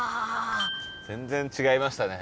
全然違いましたね。